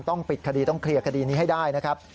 ต้องปิดคดีต้องเคลียร์คดีนี้ให้ได้นะครับ